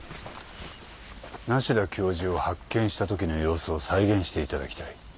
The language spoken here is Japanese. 梨多教授を発見したときの様子を再現していただきたい。